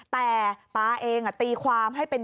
แต่ตาเองตีความให้เป็น